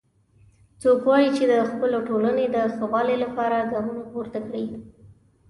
څوک غواړي چې د خپلې ټولنې د ښه والي لپاره ګامونه پورته کړي